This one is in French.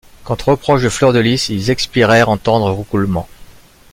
Quant aux reproches de Fleur-de-Lys, ils expirèrent en tendres roucoulements.